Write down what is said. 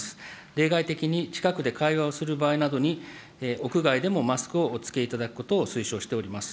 例外的に近くで会話をする場合などに、屋外でもマスクをお着けいただくことを推奨しております。